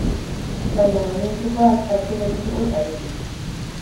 Baina gainontzekoak aske geldituko zarete.